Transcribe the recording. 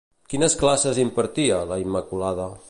Quines classes impartia, la Immaculada?